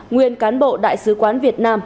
nguyên cán bộ đại sứ quán việt nam